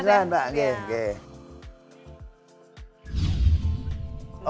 silahkan silahkan mbak oke